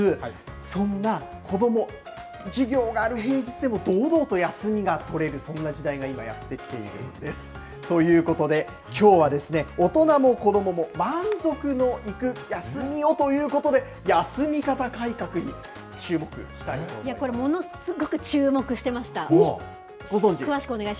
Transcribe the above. そんな子ども、授業がある平日でも堂々と休みが取れる、そんな時代が今、やって来ているんです。ということで、きょうは、大人も子どもも満足のいく休みをということで、休み方改革にチューモクこれ、ものすごく注目してまご存じ？